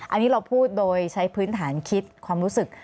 อันนี้เราพูดโดยใช้พื้นฐานคิดความรู้สึก